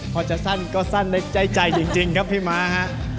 พอจะสั้นก็สั้นในใจจริงครับพี่ม้าฮะ